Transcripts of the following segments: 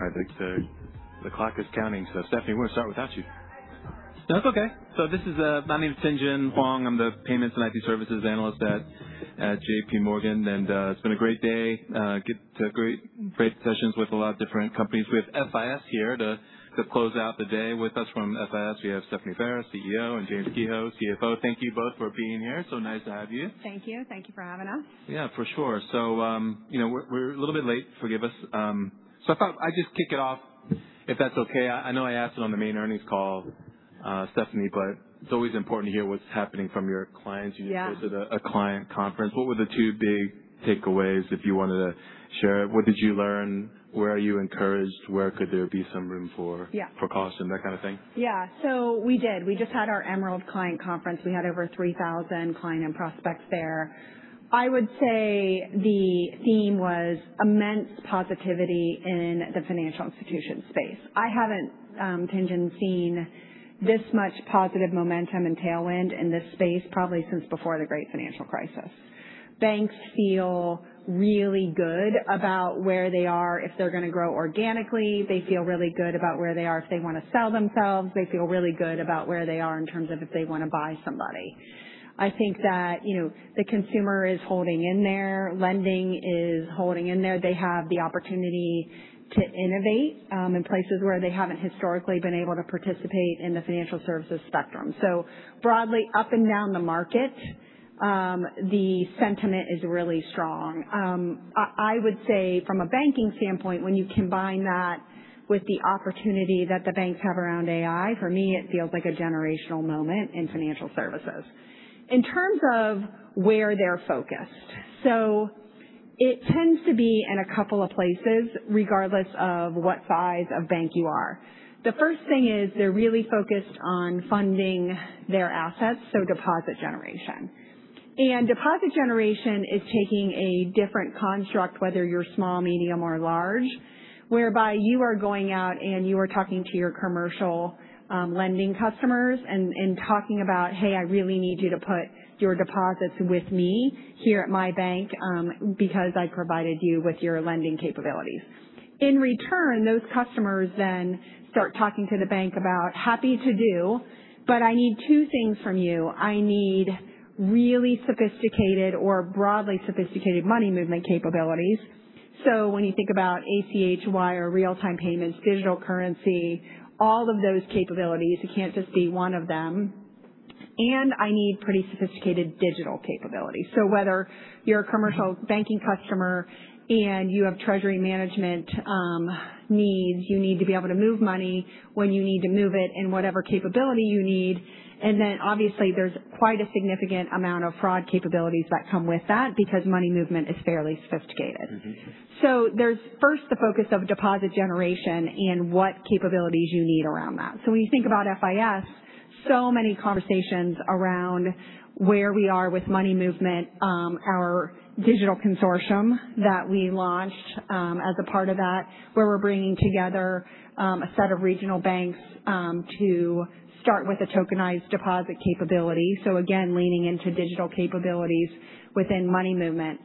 All right, thanks. The clock is counting. Stephanie, we're gonna start without you. No, it's okay. This is My name is Tien-Tsin Huang. I'm the Payments and IT Services Analyst at JPMorgan. It's been a great day. Get to great sessions with a lot of different companies. We have FIS here to close out the day with us. From FIS, we have Stephanie Ferris, CEO, and James Kehoe, CFO. Thank you both for being here. Nice to have you. Thank you. Thank you for having us. Yeah, for sure. you know, we're a little bit late. Forgive us. I thought I'd just kick it off, if that's okay? I know I asked it on the main earnings call, Stephanie, it's always important to hear what's happening from your clients. Yeah. You just visited a client conference. What were the two big takeaways, if you wanted to share? What did you learn? Where are you encouraged? Where could there be some room for? Yeah. For caution, that kind of thing? Yeah. We did. We just had our Emerald Client Conference. We had over 3,000 client and prospects there. I would say the theme was immense positivity in the financial institution space. I haven't, Tien-Tsin Huang, seen this much positive momentum and tailwind in this space probably since before the great financial crisis. Banks feel really good about where they are if they're gonna grow organically. They feel really good about where they are if they wanna sell themselves. They feel really good about where they are in terms of if they wanna buy somebody. I think that, you know, the consumer is holding in there. Lending is holding in there. They have the opportunity to innovate in places where they haven't historically been able to participate in the financial services spectrum. Broadly, up and down the market, the sentiment is really strong. I would say from a banking standpoint, when you combine that with the opportunity that the banks have around AI, for me it feels like a generational moment in financial services. In terms of where they're focused, so it tends to be in a couple of places, regardless of what size of bank you are. The first thing is they're really focused on funding their assets, so deposit generation. Deposit generation is taking a different construct, whether you're small, medium or large, whereby you are going out and you are talking to your commercial lending customers and talking about, hey, I really need you to put your deposits with me here at my bank because I provided you with your lending capabilities. In return, those customers then start talking to the bank about, happy to do, but I need two things from you. I need really sophisticated or broadly sophisticated money movement capabilities. When you think about ACH, wire, real-time payments, digital currency, all of those capabilities, it can't just be one of them. I need pretty sophisticated digital capabilities. Whether you're a commercial banking customer and you have treasury management, needs, you need to be able to move money when you need to move it in whatever capability you need. Obviously there's quite a significant amount of fraud capabilities that come with that because money movement is fairly sophisticated. There's first the focus of deposit generation and what capabilities you need around that. When you think about FIS, so many conversations around where we are with money movement, our digital consortium that we launched as a part of that, where we're bringing together a set of regional banks to start with a tokenized deposit capability. Again, leaning into digital capabilities within money movement.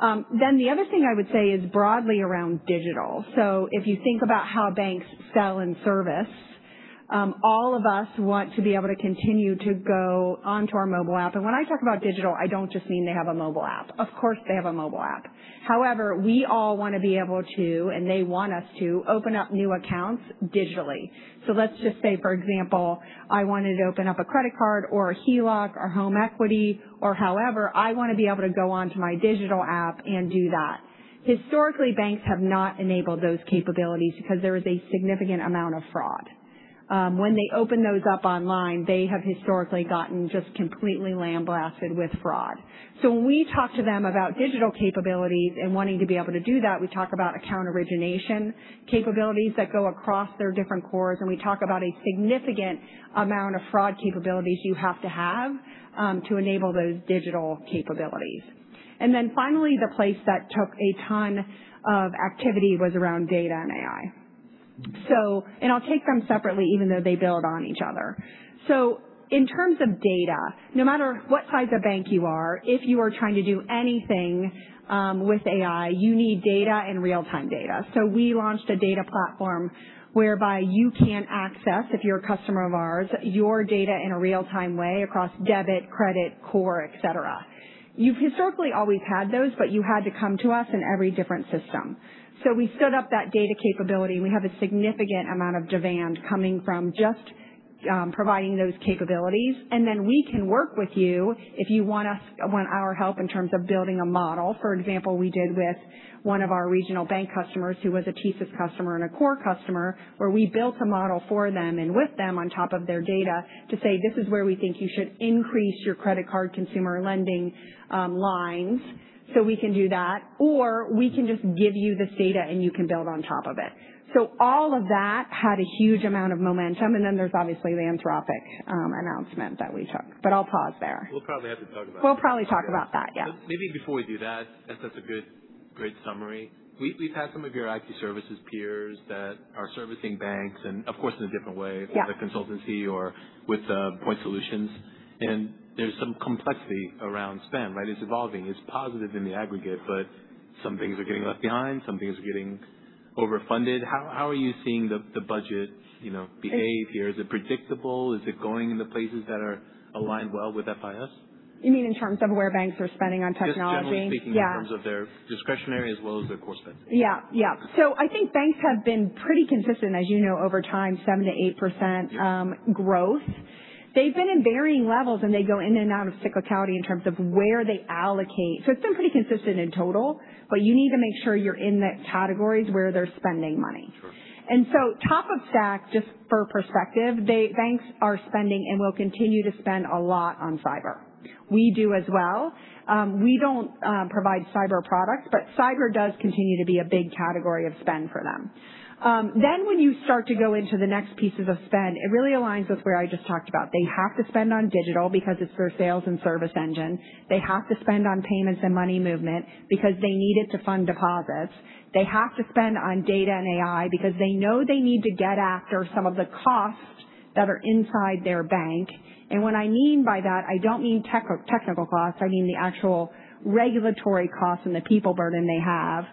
The other thing I would say is broadly around digital. If you think about how banks sell and service, all of us want to be able to continue to go onto our mobile app. When I talk about digital, I don't just mean they have a mobile app. Of course, they have a mobile app. However, we all wanna be able to, and they want us to, open up new accounts digitally. Let's just say, for example, I wanted to open up a credit card or a HELOC or Home Equity or however, I wanna be able to go onto my digital app and do that. Historically, banks have not enabled those capabilities because there is a significant amount of fraud. When they open those up online, they have historically gotten just completely lambasted with fraud. When we talk to them about digital capabilities and wanting to be able to do that, we talk about account origination capabilities that go across their different cores, and we talk about a significant amount of fraud capabilities you have to have to enable those digital capabilities. Finally, the place that took a ton of activity was around data and AI. I'll take them separately, even though they build on each other. In terms of data, no matter what size of bank you are, if you are trying to do anything with AI, you need data and real-time data. We launched a data platform whereby you can access, if you're a customer of ours, your data in a real-time way across debit, credit, core, et cetera. You've historically always had those, but you had to come to us in every different system. We stood up that data capability, and we have a significant amount of demand coming from just providing those capabilities. We can work with you if you want our help in terms of building a model. For example, we did with one of our regional bank customers who was a TSYS customer and a core customer, where we built a model for them and with them on top of their data to say, this is where we think you should increase your credit card consumer lending lines. We can do that. We can just give you this data, and you can build on top of it. All of that had a huge amount of momentum. There's obviously the Anthropic announcement that we took. I'll pause there. We'll probably have to talk about that. We'll probably talk about that, yeah. Maybe before we do that's such a good, great summary. We've had some of your IT services peers that are servicing banks and of course, in a different way. Yeah. Either consultancy or with point solutions. There's some complexity around spend, right? It's evolving. It's positive in the aggregate, but some things are getting left behind, some things are getting overfunded. How are you seeing the budget, you know, behave here? Is it predictable? Is it going in the places that are aligned well with FIS? You mean in terms of where banks are spending on technology? Just generally speaking. Yeah. In terms of their discretionary as well as their core spend? Yeah. I think banks have been pretty consistent, as you know, over time, 7%-8% growth. They've been in varying levels, and they go in and out of cyclicality in terms of where they allocate. It's been pretty consistent in total, but you need to make sure you're in the categories where they're spending money. Sure. Top of stack, just for perspective, they banks are spending and will continue to spend a lot on cyber. We do as well. We don't provide cyber products, but cyber does continue to be a big category of spend for them. When you start to go into the next pieces of spend, it really aligns with where I just talked about. They have to spend on digital because it's their sales and service engine. They have to spend on payments and money movement because they need it to fund deposits. They have to spend on data and AI because they know they need to get after some of the costs that are inside their bank. What I mean by that, I don't mean technical costs. I mean the actual regulatory costs and the people burden they have.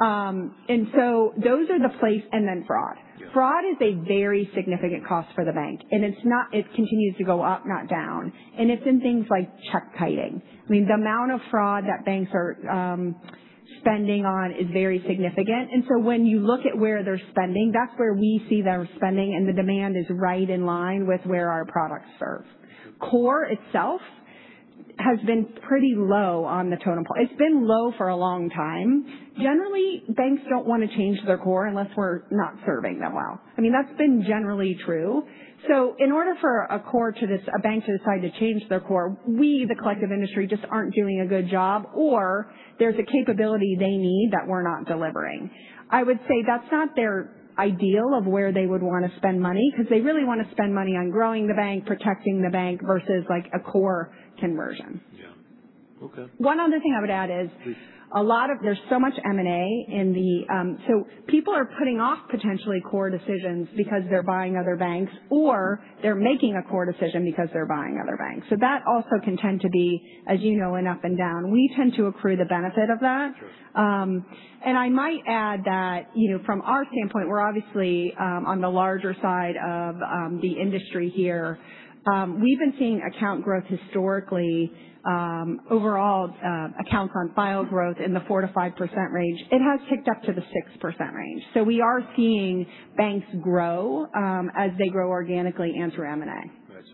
Those are the place. Fraud. Yeah. Fraud is a very significant cost for the bank, and it continues to go up, not down. It's in things like check kiting. I mean, the amount of fraud that banks are spending on is very significant. When you look at where they're spending, that's where we see their spending and the demand is right in line with where our products serve. core itself has been pretty low on the totem pole. It's been low for a long time. Generally, banks don't wanna change their core unless we're not serving them well. I mean, that's been generally true. In order for a core to a bank to decide to change their core, we, the collective industry, just aren't doing a good job, or there's a capability they need that we're not delivering. I would say that's not their ideal of where they would wanna spend money because they really wanna spend money on growing the bank, protecting the bank versus, like, a core conversion. Yeah. Okay. One other thing I would add is. Please. There's so much M&A. People are putting off potentially core decisions because they're buying other banks, or they're making a core decision because they're buying other banks. That also can tend to be, as you know, an up and down. We tend to accrue the benefit of that. I might add that, you know, from our standpoint, we're obviously on the larger side of the industry here. We've been seeing account growth historically, overall, accounts on file growth in the 4%-5% range. It has ticked up to the 6% range. We are seeing banks grow as they grow organically and through M&A. Right.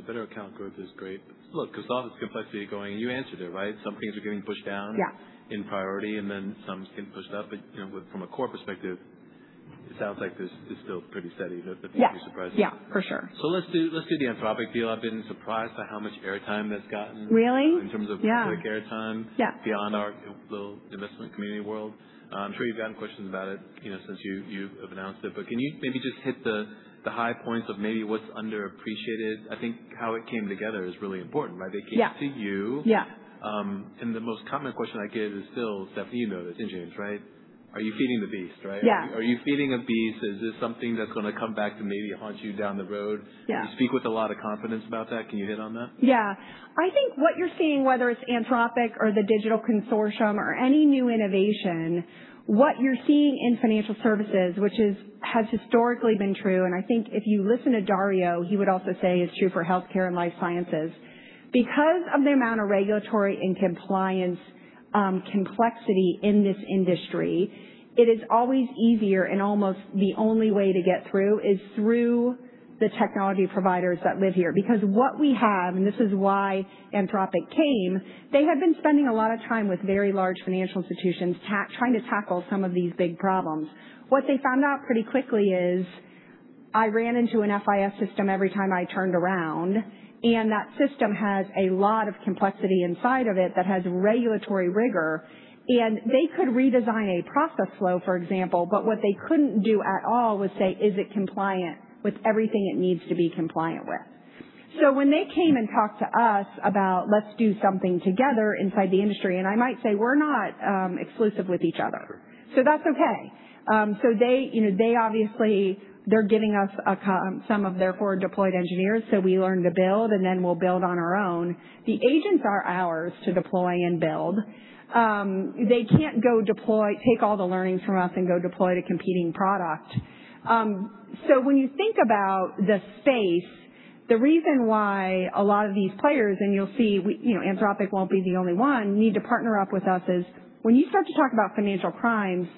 Better account growth is great. Look, because all this complexity going, and you answered it, right? Some things are getting pushed down. Yeah. In priority, and then some is getting pushed up. You know, from a core perspective, it sounds like this is still pretty steady. Yeah. Pretty surprising. Yeah, for sure. Let's do the Anthropic deal. I've been surprised by how much airtime that's gotten. Really? In terms of public airtime. Yeah. Beyond our little investment community world. I'm sure you've gotten questions about it, you know, since you have announced it. Can you maybe just hit the high points of maybe what's underappreciated? I think how it came together is really important, right? Yeah. They came to you. Yeah. The most common question I get is still, Steph, you know this, engineers, right? Are you feeding the beast, right? Yeah. Are you feeding a beast? Is this something that's gonna come back to maybe haunt you down the road? Yeah. You speak with a lot of confidence about that. Can you hit on that? Yeah. I think what you're seeing, whether it's Anthropic or the digital consortium or any new innovation. What you're seeing in financial services, which is, has historically been true, and I think if you listen to Dario, he would also say it's true for healthcare and life sciences. Because of the amount of regulatory and compliance complexity in this industry, it is always easier and almost the only way to get through is through the technology providers that live here. Because what we have, and this is why Anthropic came, they had been spending a lot of time with very large financial institutions trying to tackle some of these big problems. What they found out pretty quickly is, I ran into an FIS system every time I turned around, and that system has a lot of complexity inside of it that has regulatory rigor. They could redesign a process flow, for example, but what they couldn't do at all was say, is it compliant with everything it needs to be compliant with? When they came and talked to us about, let's do something together inside the industry, and I might say we're not exclusive with each other. That's okay. They, you know, they obviously they're giving us some of their core deployed engineers, so we learn to build, and then we'll build on our own. The agents are ours to deploy and build. They can't go take all the learnings from us and go deploy to competing product. When you think about the safe, the reason why a lot of these players, and you'll see we, you know, Anthropic won't be the only one, need to partner up with us is when you start to talk about financial crimes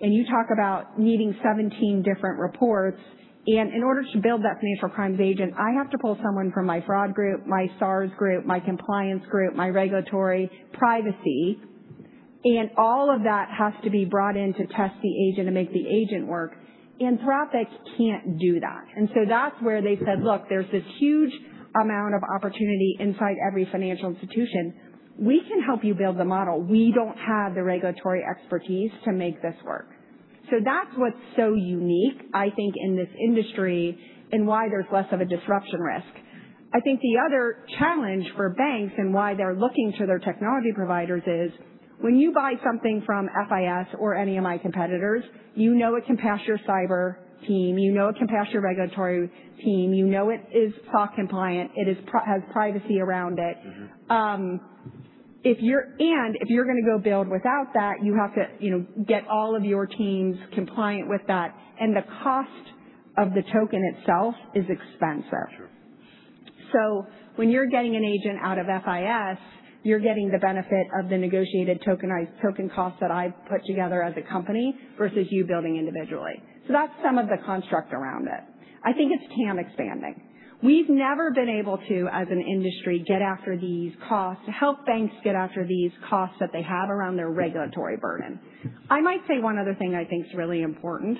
and you talk about needing 17 different reports, and in order to build that financial crimes agent, I have to pull someone from my fraud group, my SARs group, my compliance group, my regulatory privacy. All of that has to be brought in to test the agent and make the agent work. Anthropic can't do that. That's where they said, look, there's this huge amount of opportunity inside every financial institution. We can help you build the model. We don't have the regulatory expertise to make this work. That's what's so unique, I think, in this industry and why there's less of a disruption risk. I think the other challenge for banks and why they're looking to their technology providers is when you buy something from FIS or any of my competitors, you know it can pass your cyber team, you know it can pass your regulatory team, you know it is SOC compliant, it has privacy around it. If you're gonna go build without that, you have to, you know, get all of your teams compliant with that. The cost of the token itself is expensive. Sure. When you're getting an agent out of FIS, you're getting the benefit of the negotiated token cost that I put together as a company versus you building individually. That's some of the construct around it. I think it's TAM expanding. We've never been able to, as an industry, get after these costs, to help banks get after these costs that they have around their regulatory burden. I might say one other thing I think is really important.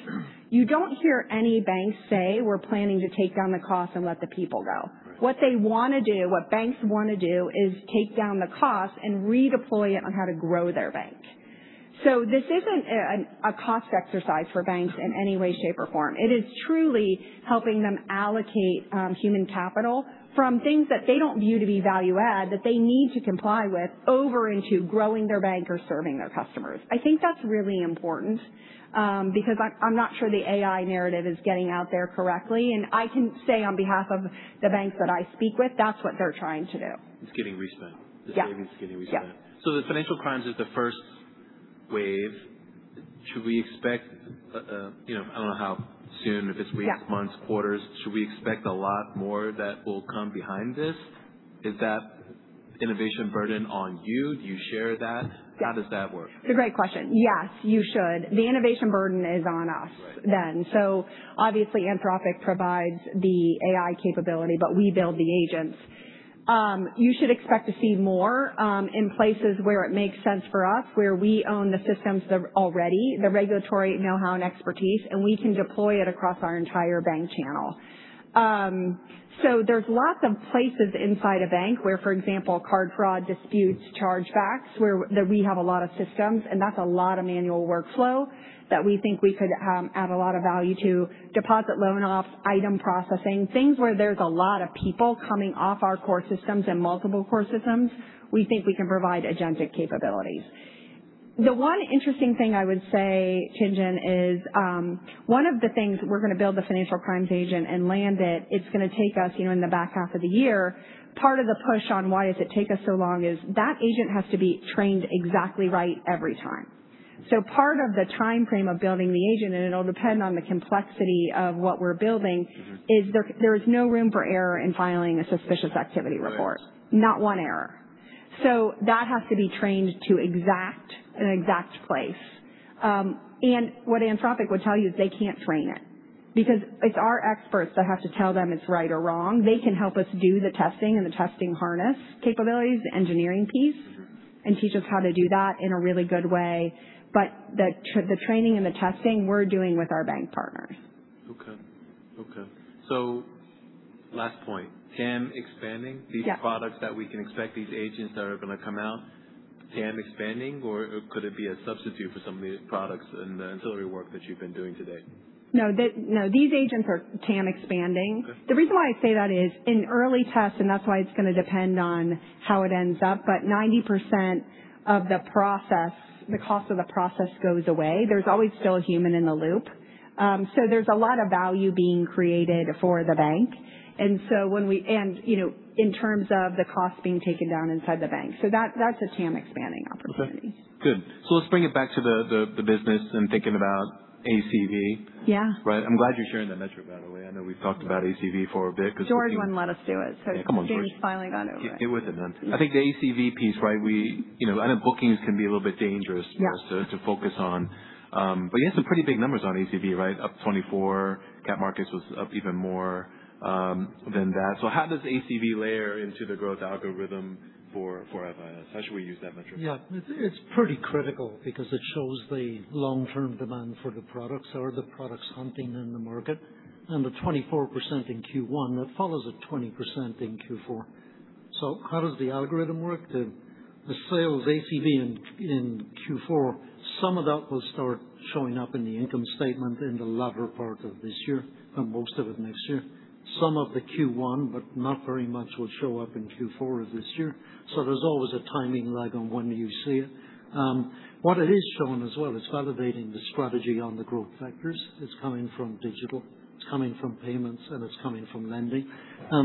You don't hear any bank say, we're planning to take down the cost and let the people go. What they want to do, what banks want to do is take down the cost and redeploy it on how to grow their bank. This isn't a cost exercise for banks in any way, shape, or form. It is truly helping them allocate human capital from things that they don't view to be value add that they need to comply with over into growing their bank or serving their customers. I think that's really important because I'm not sure the AI narrative is getting out there correctly, and I can say on behalf of the banks that I speak with, that's what they're trying to do. It's getting re-spent. Yeah. The savings is getting re-spent. Yeah. The financial crimes is the first wave. Should we expect, you know, I don't know how soon? Yeah. Months, quarters. Should we expect a lot more that will come behind this? Is that innovation burden on you? Do you share that? Yeah. How does that work? It's a great question. Yes, you should. The innovation burden is on us. Right. Obviously, Anthropic provides the AI capability, but we build the agents. You should expect to see more in places where it makes sense for us, where we own the systems that already, the regulatory knowhow and expertise, and we can deploy it across our entire bank channel. There's lots of places inside a bank where, for example, card fraud disputes, chargebacks, where, that we have a lot of systems, and that's a lot of manual workflow that we think we could add a lot of value to. Deposit loan ops, item processing, things where there's a lot of people coming off our core systems and multiple core systems, we think we can provide agentic capabilities. The one interesting thing I would say, Tien-Tsin, is one of the things, we're gonna build the financial crimes agent and land it. It's going to take us, you know, in the back half of the year. Part of the push on why does it take us so long is that agent has to be trained exactly right every time. Part of the timeframe of building the agent, and it will depend on the complexity of what we're building. There is no room for error in filing a Suspicious Activity Report. Right. Not one error. That has to be trained to an exact place. What Anthropic would tell you is they can't train it because it's our experts that have to tell them it's right or wrong. They can help us do the testing and the testing harness capabilities, the engineering piece. Teach us how to do that in a really good way. The training and the testing we're doing with our bank partners. Okay. Okay. Last point, TAM expanding. Yeah. These products that we can expect, these agents that are gonna come out, TAM expanding, or could it be a substitute for some of the products and the ancillary work that you've been doing to date? No, these agents are TAM expanding. Okay. The reason why I say that is in early tests, and that's why it's gonna depend on how it ends up, but 90% of the process, the cost of the process goes away. There's always still a human in the loop. There's a lot of value being created for the bank. You know, in terms of the cost being taken down inside the bank. That's a TAM expanding opportunity. Okay. Good. Let's bring it back to the business and thinking about ACV. Yeah. Right? I'm glad you're sharing that metric, by the way. I know we've talked about ACV for a bit. George wouldn't let us do it. Yeah, come on, George. George finally got over it. It wasn't then. I think the ACV piece, right, You know, I know bookings can be a little bit. Yeah. For us to focus on. You had some pretty big numbers on ACV, right? Up 24%. Capital markets was up even more than that. How does ACV layer into the growth algorithm for FIS? How should we use that metric? Yeah. It's pretty critical because it shows the long-term demand for the products. Are the products hunting in the market? The 24% in Q1, that follows a 20% in Q4. How does the algorithm work? The sales ACV in Q4, some of that will start showing up in the income statement in the latter part of this year, and most of it next year. Some of the Q1, but not very much, will show up in Q4 of this year. There's always a timing lag on when you see it. What it is showing as well, it's validating the strategy on the growth vectors. It's coming from digital, it's coming from payments, and it's coming from lending.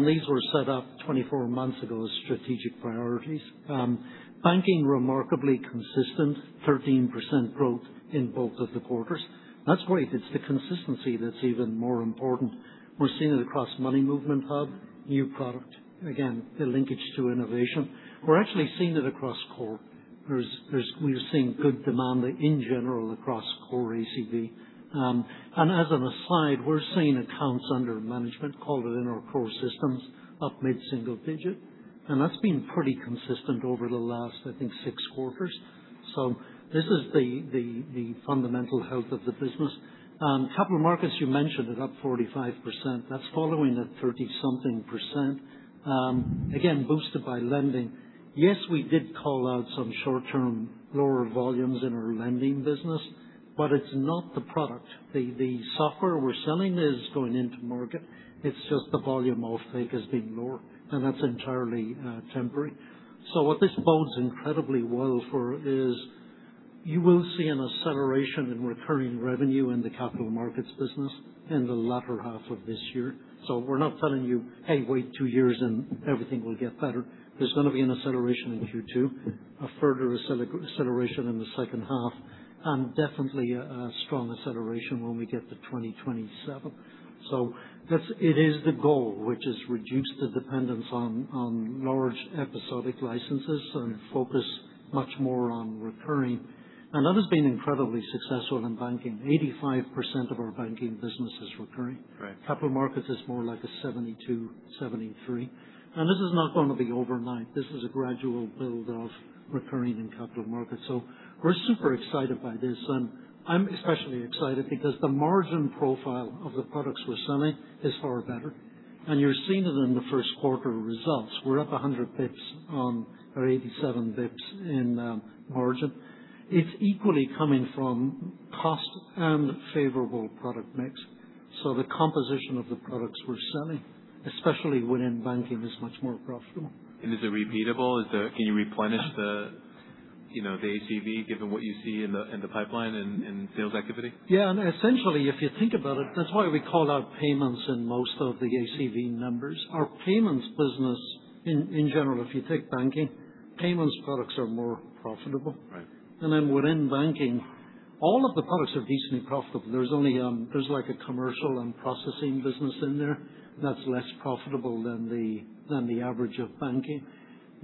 These were set up 24 months ago as strategic priorities. Banking remarkably consistent, 13% growth in both of the quarters. That's great. It's the consistency that's even more important. We're seeing it across Money Movement Hub, new product. The linkage to innovation. We're actually seeing it across core. There's We're seeing good demand in general across core ACV. As an aside, we're seeing accounts under management, call it in our core systems, up mid-single digit. That's been pretty consistent over the last, I think, six quarters. This is the fundamental health of the business. Capital markets, you mentioned it, up 45%. That's following a 30%-something. Boosted by lending. Yes, we did call out some short-term lower volumes in our lending business, but it's not the product. The software we're selling is going into market. It's just the volume of take has been lower, that's entirely temporary. What this bodes incredibly well for is. You will see an acceleration in recurring revenue in the capital markets business in the latter half of this year. We're not telling you, hey, wait two years and everything will get better. There's going to be an acceleration in Q2, a further acceleration in the second half, and definitely a strong acceleration when we get to 2027. That is the goal, which is reduce the dependence on large episodic licenses and focus much more on recurring. That has been incredibly successful in banking. 85% of our banking business is recurring. Right. Capital markets is more like a 72%, 73%. This is not gonna be overnight. This is a gradual build of recurring in capital markets. We're super excited by this. I'm especially excited because the margin profile of the products we're selling is far better. You're seeing it in the first quarter results. We're up 100 bps on or 87 bps in margin. It's equally coming from cost and favorable product mix. The composition of the products we're selling, especially within banking, is much more profitable. Is it repeatable? Can you replenish the, you know, the ACV, given what you see in the pipeline and sales activity? Yeah. Essentially, if you think about it, that's why we call out payments in most of the ACV numbers. Our payments business in general, if you take banking, payments products are more profitable. Right. Then within banking, all of the products are decently profitable. There's only like a commercial and processing business in there that's less profitable than the average of banking.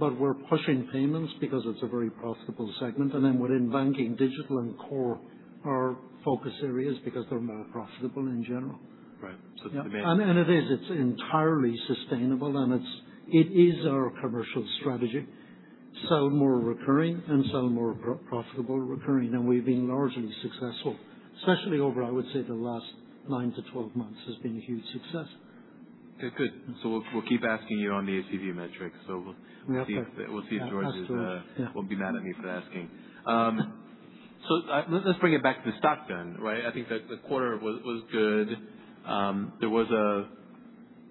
We're pushing payments because it's a very profitable segment. Then within banking, digital and core are our focus areas because they're more profitable in general. Right. It's entirely sustainable, and it is our commercial strategy. Sell more recurring and sell more profitable recurring. We've been largely successful, especially over, I would say, the last nine to 12 months has been a huge success. Okay, good. We'll keep asking you on the ACV metrics. We have to. We'll see if George is. Yeah. Won't be mad at me for asking. Let's bring it back to the stock, right? I think that the quarter was good. There was a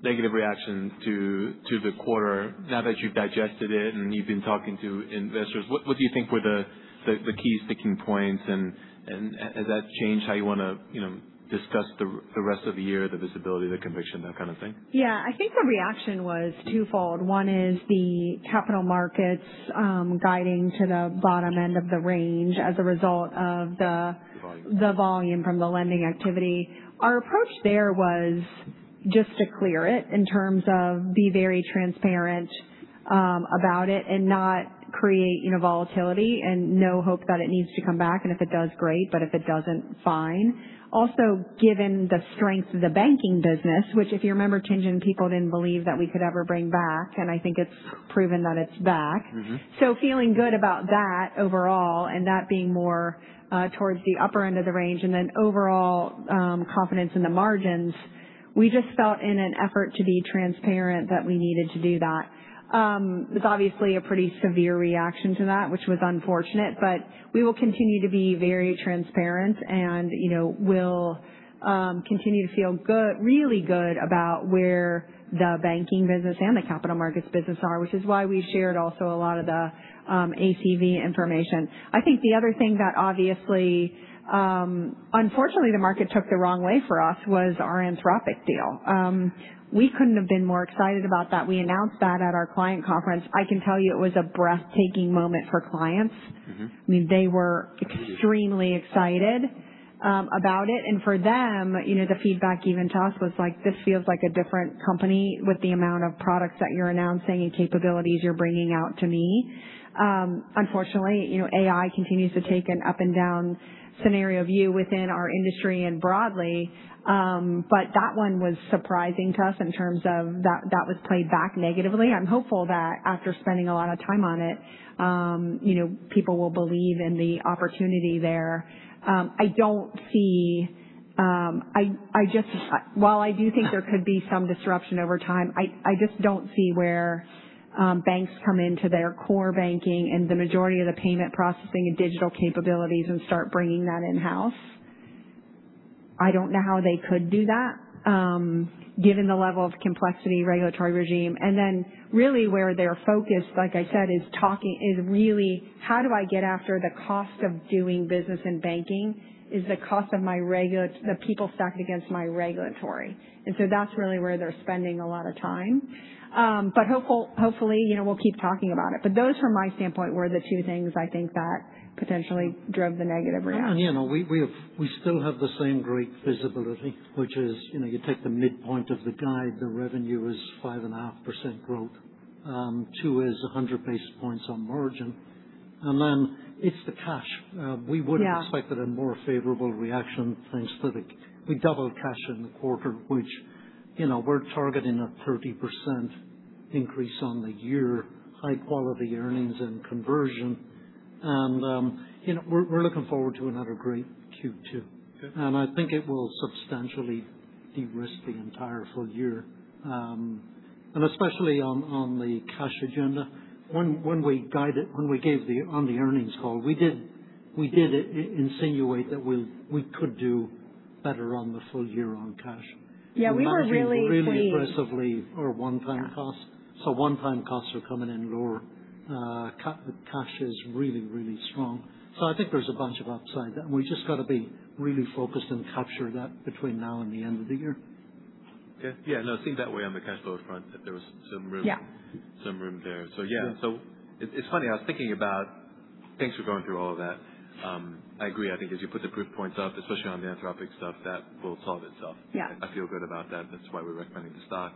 negative reaction to the quarter. Now that you've digested it and you've been talking to investors, what do you think were the key sticking points? Has that changed how you wanna, you know, discuss the rest of the year, the visibility, the conviction, that kind of thing? Yeah. I think the reaction was two-fold. One is the capital markets, guiding to the bottom end of the range. The volume from the lending activity. Our approach there was just to clear it in terms of be very transparent about it and not create, you know, volatility and no hope that it needs to come back, and if it does, great, but if it doesn't, fine. Given the strength of the banking business, which if you remember, Tien-Tsin people didn't believe that we could ever bring back, and I think it's proven that it's back. Feeling good about that overall, and that being more towards the upper end of the range, and then overall confidence in the margins. We just felt in an effort to be transparent that we needed to do that. It's obviously a pretty severe reaction to that, which was unfortunate. We will continue to be very transparent and, you know, we'll continue to feel good about where the banking business and the capital markets business are, which is why we shared also a lot of the ACV information. I think the other thing that obviously, unfortunately the market took the wrong way for us was our Anthropic deal. We couldn't have been more excited about that. We announced that at our client conference. I can tell you it was a breathtaking moment for clients. I mean, they were extremely excited about it. For them, you know, the feedback even to us was like, this feels like a different company with the amount of products that you're announcing and capabilities you're bringing out to me. Unfortunately, you know, AI continues to take an up and down scenario view within our industry and broadly, but that one was surprising to us in terms of that was played back negatively. I'm hopeful that after spending a lot of time on it, you know, people will believe in the opportunity there. I don't see. While I do think there could be some disruption over time, I just don't see where banks come into their core banking and the majority of the payment processing and digital capabilities and start bringing that in-house. I don't know how they could do that, given the level of complexity regulatory regime. Really where they're focused, like I said, is how do I get after the cost of doing business in banking is the cost of my regulatory, the people stacked against my regulatory. That's really where they're spending a lot of time. Hopefully, you know, we'll keep talking about it. Those from my standpoint were the two things I think that potentially drove the negative reaction. You know, we still have the same great visibility, which is, you know, you take the midpoint of the guide, the revenue is 5.5% growth. Two is 100 basis points on margin. Then it's the cash. Yeah. We would have expected a more favorable reaction thanks to the We doubled cash in the quarter, which, you know, we're targeting a 30% increase on the year, high quality earnings and conversion. You know, we're looking forward to another great Q2. Okay. I think it will substantially de-risk the entire full year, especially on the cash agenda. When on the earnings call, we did insinuate that we could do better on the full year on cash. Yeah, we were really. Managing really aggressively for one-time costs. One-time costs are coming in lower. The cash is really strong. I think there's a bunch of upside. We just got to be really focused and capture that between now and the end of the year. Okay. Yeah, no, I think that way on the cash flow front that there was some room. Yeah. Some room there. Yeah. It's funny. I was thinking about, thanks for going through all of that. I agree. I think as you put the proof points up, especially on the Anthropic stuff, that will solve itself. Yeah. I feel good about that. That's why we're recommending the stock.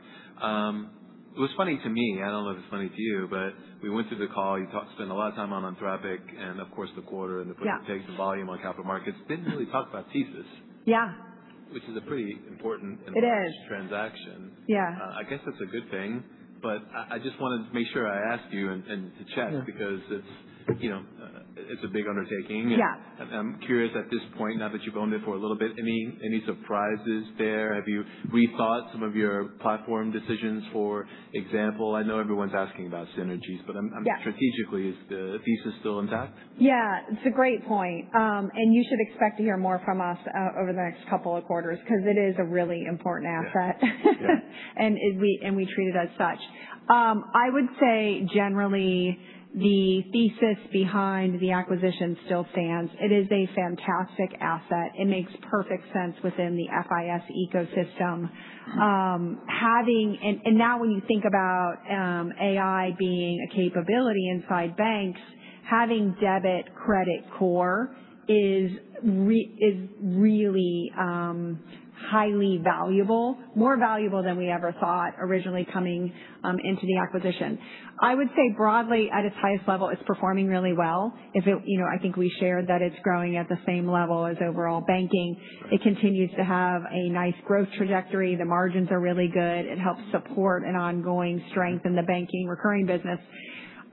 It was funny to me, I don't know if it's funny to you, but we went through the call. You spent a lot of time on Anthropic and of course the quarter. Yeah. Take a volume on capital markets. Didn't really talk about TSYS. Yeah. Which is a pretty important and large- It is. -transaction. Yeah. I guess that's a good thing, but I just wanna make sure I ask you and to check. Yeah. Because it's, you know, it's a big undertaking. Yeah. I'm curious at this point, now that you've owned it for a little bit, any surprises there? Have you rethought some of your platform decisions, for example? I know everyone's asking about synergies. Yeah. Strategically, is the TSYS still intact? Yeah. It's a great point. You should expect to hear more from us over the next couple of quarters because it is a really important asset. Yeah. We treat it as such. I would say generally the TSYS behind the acquisition still stands. It is a fantastic asset. It makes perfect sense within the FIS ecosystem. Having, now when you think about, AI being a capability inside banks, having debit credit core is really highly valuable. More valuable than we ever thought originally coming into the acquisition. I would say broadly, at its highest level, it's performing really well. You know, I think we shared that it's growing at the same level as overall banking. It continues to have a nice growth trajectory. The margins are really good. It helps support an ongoing strength in the banking recurring business.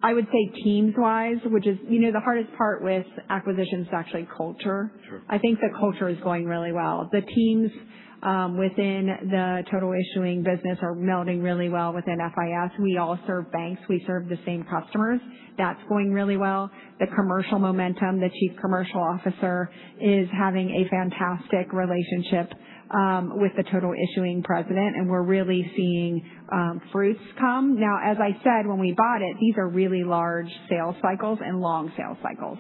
I would say teams-wise, which is, you know, the hardest part with acquisitions is actually culture. Sure. I think the culture is going really well. The teams within the total issuing business are melding really well within FIS. We all serve banks. We serve the same customers. That's going really well. The commercial momentum, the chief commercial officer is having a fantastic relationship with the total issuing president, and we're really seeing fruits come. As I said when we bought it, these are really large sales cycles and long sales cycles.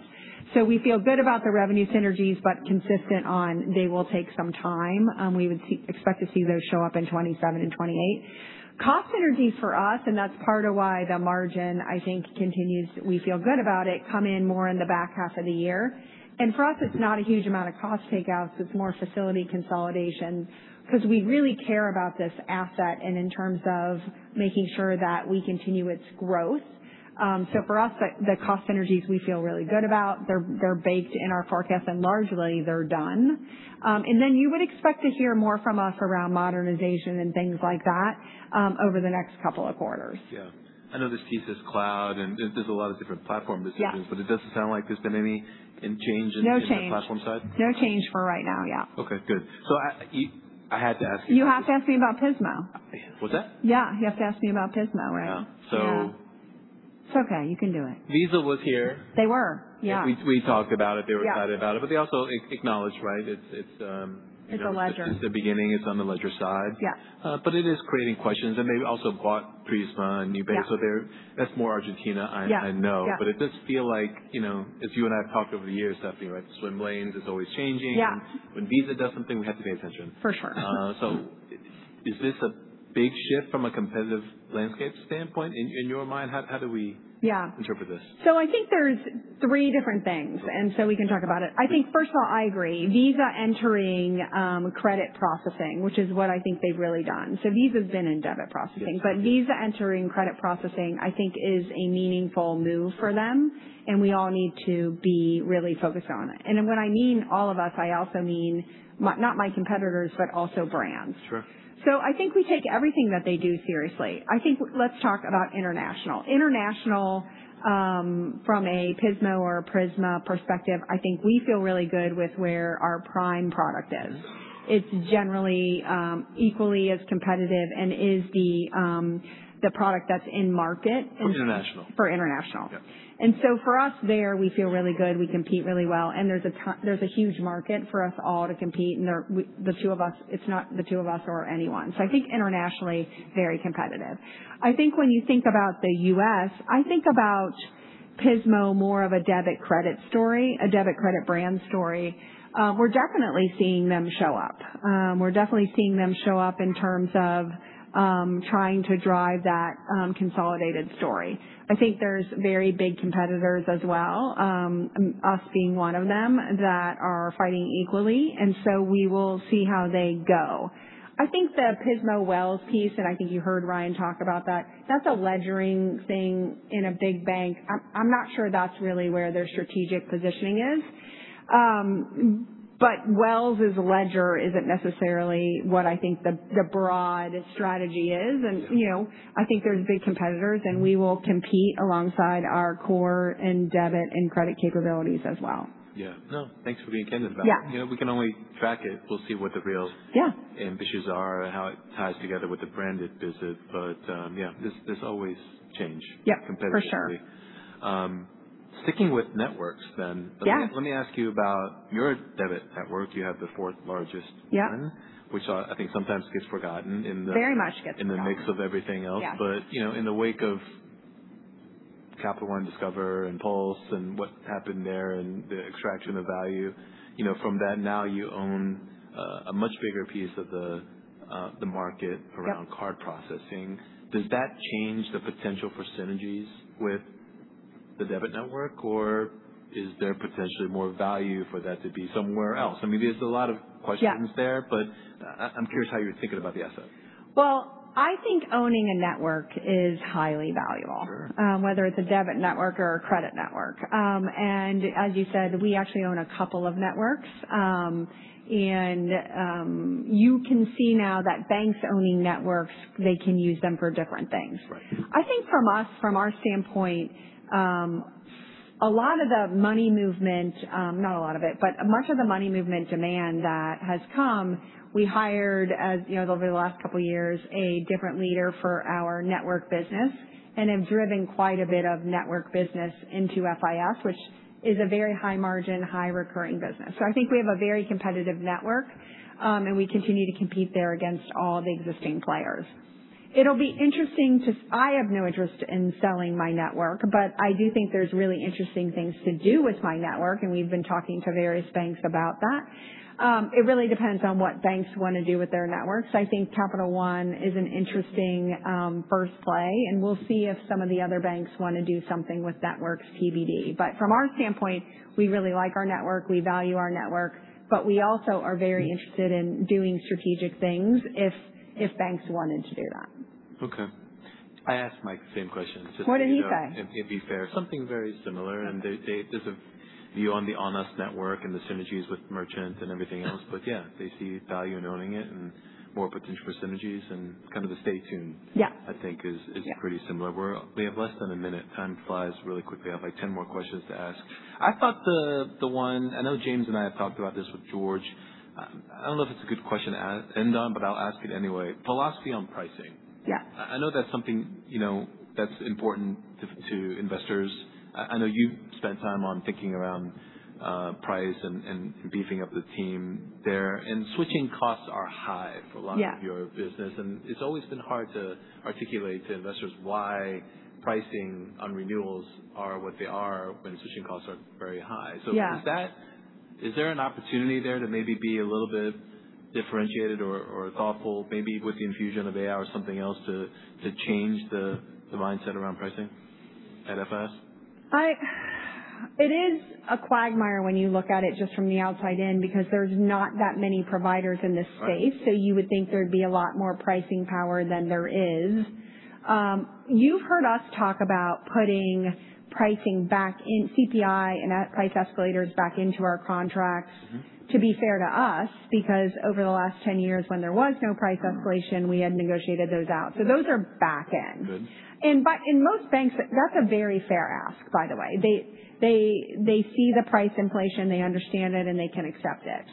We feel good about the revenue synergies, but consistent on they will take some time. We expect to see those show up in 2027 and 2028. Cost synergies for us, and that's part of why the margin, I think, continues, we feel good about it, come in more in the back half of the year. For us it's not a huge amount of cost takeout, it's more facility consolidation because we really care about this asset and in terms of making sure that we continue its growth. For us, the cost synergies we feel really good about. They're baked in our forecast and largely they're done. You would expect to hear more from us around modernization and things like that over the next couple of quarters. Yeah. I know there's TSYS Cloud and there's a lot of different platform decisions. Yeah. It doesn't sound like there's been any change in the platform side. No change. No change for right now. Yeah. Okay. Good. I had to ask you about this. You have to ask me about Pismo. What's that? Yeah, you have to ask me about Pismo, right? Yeah. It's okay. You can do it. Visa was here. They were. Yeah. We talked about it. They were excited about it. Yeah. They also acknowledged, right, it's. It's a ledger. It's the beginning. It's on the ledger side. Yeah. It is creating questions. They also bought Prisma and Nubank. Yeah. That's more Argentina, I know. Yeah. Yeah. It does feel like, you know, as you and I have talked over the years, Stephanie, right, swim lanes is always changing. Yeah. When Visa does something, we have to pay attention. For sure. Is this a big shift from a competitive landscape standpoint, in your mind? Yeah. Interpret this. I think there's three different things, and so we can talk about it. I think first of all, I agree. Visa entering, credit processing, which is what I think they've really done. Visa's been in debit processing. Visa entering credit processing, I think is a meaningful move for them, and we all need to be really focused on it. When I mean all of us, I also mean not my competitors, but also brands. Sure. I think we take everything that they do seriously. I think let's talk about international. International, from a Pismo or a Prisma perspective, I think we feel really good with where our Prime product is. It's generally equally as competitive and is the product that's in market. For international. For international. Yeah. For us there, we feel really good. We compete really well. There's a huge market for us all to compete. It's not the two of us or anyone. I think internationally, very competitive. I think when you think about the U.S., I think about Pismo more of a debit credit story, a debit credit brand story. We're definitely seeing them show up. We're definitely seeing them show up in terms of trying to drive that consolidated story. I think there's very big competitors as well, us being one of them, that are fighting equally, we will see how they go. I think the Pismo Wells piece, I think you heard Ryan talk about that's a ledgering thing in a big bank. I'm not sure that's really where their strategic positioning is. Wells' ledger isn't necessarily what I think the broad strategy is. you know, I think there's big competitors, and we will compete alongside our core and debit and credit capabilities as well. Yeah. No, thanks for being candid about it. Yeah. You know, we can only track it. We'll see what the real. Yeah. Ambitions are and how it ties together with the branded visit. Yeah, there's always change. Yeah. For sure. Competitively. Sticking with networks then. Yeah Let me ask you about your debit network. You have the fourth largest. Yeah One, which, I think sometimes gets forgotten. Very much gets forgotten. In the mix of everything else. Yeah. You know, in the wake of Capital One Discover and PULSE and what happened there and the extraction of value, you know, from that, now you own, a much bigger piece of the market around card processing. Does that change the potential for synergies with the debit network, or is there potentially more value for that to be somewhere else? I mean, there's a lot of questions there. Yeah. I'm curious how you're thinking about the asset? Well, I think owning a network is highly valuable. Sure. Whether it's a debit network or a credit network. As you said, we actually own a couple of networks. You can see now that banks owning networks, they can use them for different things. Right. I think from us, from our standpoint, a lot of the money movement, not a lot of it, but much of the money movement demand that has come, we hired as, you know, over the last couple of years, a different leader for our network business and have driven quite a bit of network business into FIS, which is a very high margin, high recurring business. I think we have a very competitive network, and we continue to compete there against all the existing players. I have no interest in selling my network, but I do think there's really interesting things to do with my network, and we've been talking to various banks about that. It really depends on what banks wanna do with their networks. I think Capital One is an interesting, first play, and we'll see if some of the other banks wanna do something with networks TBD. From our standpoint, we really like our network, we value our network, but we also are very interested in doing strategic things if banks wanted to do that. Okay. I asked Mike the same question. What did he say? To be, you know, to be fair. Something very similar. They There's a view on the on-us network and the synergies with merchant and everything else. Yeah, they see value in owning it and more potential for synergies and kind of a stay tuned. Yeah. I think is pretty similar. We have less than a minute. Time flies really quickly. I have like 10 more questions to ask. I thought the one I know James and I have talked about this with George. I don't know if it's a good question to end on, but I'll ask it anyway. Philosophy on pricing. Yeah. I know that's something, you know, that's important to investors. I know you've spent time on thinking around price and beefing up the team there. Switching costs are high for a lot. Yeah. Of your business, and it's always been hard to articulate to investors why pricing on renewals are what they are when switching costs are very high. Yeah. Is there an opportunity there to maybe be a little bit differentiated or thoughtful, maybe with the infusion of AI or something else to change the mindset around pricing at FIS? It is a quagmire when you look at it just from the outside in because there's not that many providers in this space. Right. You would think there'd be a lot more pricing power than there is. You've heard us talk about putting pricing back in CPI and at price escalators back into our contracts. To be fair to us, because over the last 10 years when there was no price escalation, we had negotiated those out. Those are back in. Good. In most banks, that's a very fair ask, by the way. They see the price inflation, they understand it, and they can accept it.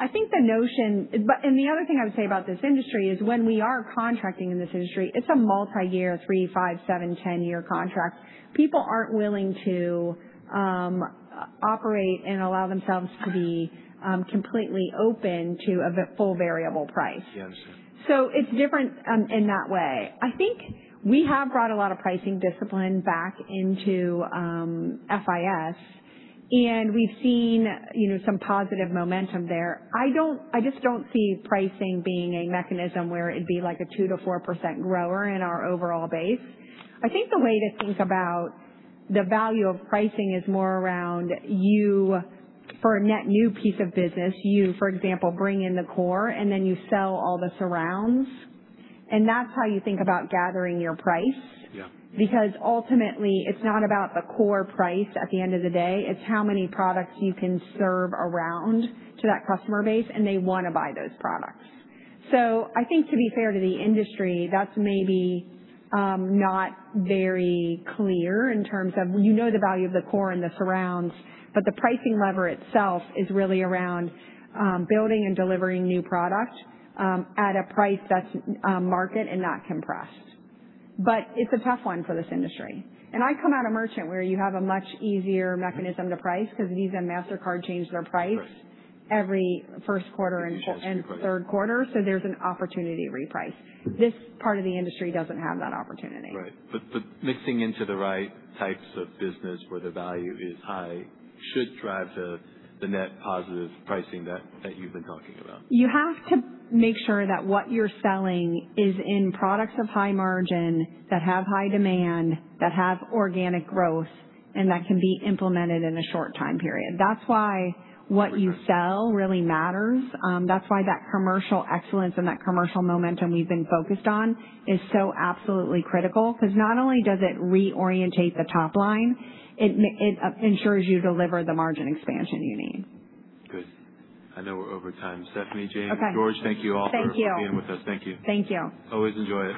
The other thing I would say about this industry is when we are contracting in this industry, it's a multi-year three, five, seven, 10-year contract. People aren't willing to operate and allow themselves to be completely open to a full variable price. Yes. It's different in that way. I think we have brought a lot of pricing discipline back into FIS, and we've seen, you know, some positive momentum there. I just don't see pricing being a mechanism where it'd be like a 2%-4% grower in our overall base. I think the way to think about the value of pricing is more around you for a net new piece of business. You, for example, bring in the core and then you sell all the surrounds, and that's how you think about gathering your price. Yeah. Ultimately, it's not about the core price at the end of the day. It's how many products you can serve around to that customer base, and they wanna buy those products. I think to be fair to the industry, that's maybe not very clear in terms of, you know the value of the core and the surrounds, but the pricing lever itself is really around building and delivering new product at a price that's market and not compressed. It's a tough one for this industry. I come at a merchant where you have a much easier mechanism to price because Visa and Mastercard change their price. Right. Every first quarter and third quarter. There's an opportunity to reprice. This part of the industry doesn't have that opportunity. Right. Mixing into the right types of business where the value is high should drive the net positive pricing that you've been talking about. You have to make sure that what you're selling is in products of high margin, that have high demand, that have organic growth, and that can be implemented in a short time period. That's why what you sell really matters. That's why that commercial excellence and that commercial momentum we've been focused on is so absolutely critical because not only does it reorientate the top line, it ensures you deliver the margin expansion you need. Good. I know we're over time. Stephanie, James. Okay. George, thank you. Thank you. For being with us. Thank you. Thank you. Always enjoy it.